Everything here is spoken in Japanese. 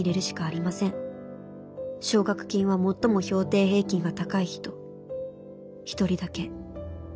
奨学金は最も評定平均が高い人一人だけ。